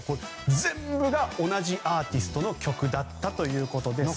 全部が同じアーティストの曲だったということです。